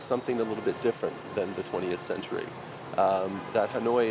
có những thành phố lớn như hà nội